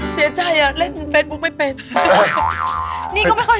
เสียใจเลยเล่นเฟซบุ๊คไม่เป็น